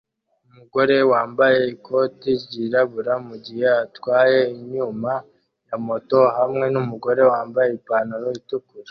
Umugore yambaye ikoti ryirabura mugihe atwaye inyuma ya moto hamwe numugore wambaye ipantaro itukura